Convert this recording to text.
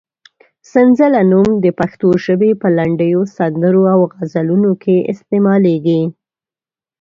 سنځله نوم د پښتو ژبې په لنډیو، سندرو او غزلونو کې استعمالېږي.